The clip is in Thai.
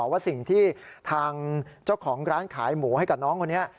ว่าสิ่งที่ทางเจ้าของร้านขายหมูให้กับน้องคนนี้